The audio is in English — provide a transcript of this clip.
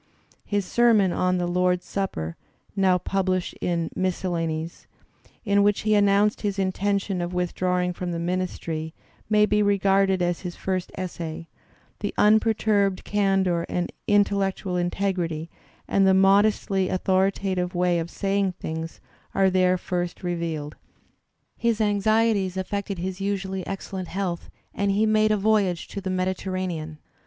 His sermon on "The Lord's Supper" (now published in " Miscellanies "), in which he announced his intention of with drawing from the ministry, may be regarded as his first essay; the unperturbed candour and intellectual integrity and the modestly authoritative way of saying things are there first revealed. His anxieties affected his usually excellent health, and he made a voyage to the Mediterranean.